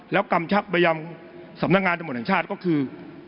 แล้วกำชับไปยังสำนักงานตำรวจแห่งชาติก็คือ